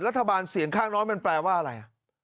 รัฐบาลเสียงข้างน้อยมันแปลว่าอะไร